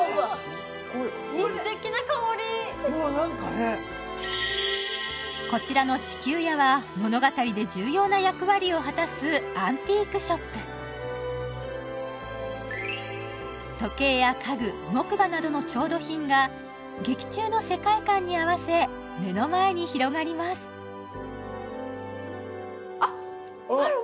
すっごい素敵な香り何かねこちらの地球屋は物語で重要な役割を果たすアンティークショップ時計や家具木馬などの調度品が劇中の世界観に合わせ目の前に広がりますあっ！